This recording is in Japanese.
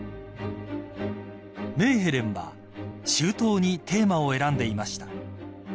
［メーヘレンは周到にテーマを選んでいました］